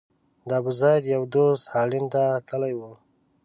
د ابوزید یو دوست هالند ته تللی و.